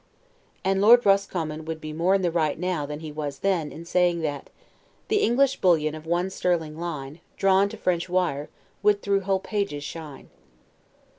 And Lord Roscommon would be more in the right now, than he was then, in saying that, "The English bullion of one sterling line, Drawn to French wire, would through whole pages shine."